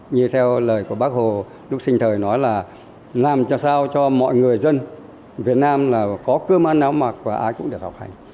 như theo lời của bác hồ lúc sinh thời nói là làm cho sao cho mọi người dân việt nam là có cơm ăn áo mặc và ai cũng được học hành